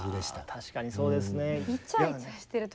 確かにそうですね。